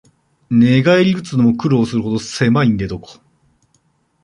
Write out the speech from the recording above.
寝返りうつのも苦労するほどせまい寝床